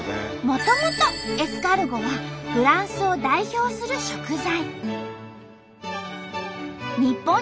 もともとエスカルゴはフランスを代表する食材。